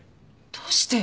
どうして？